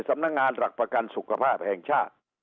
สำนักงานหลักประกันสุขภาพแห่งชาติ